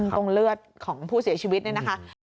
เลือดของผู้เสียชีวิตเนี่ยนะคะ